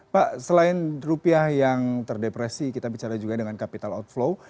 pak selain rupiah yang terdepresi kita bicara juga dengan capital outflow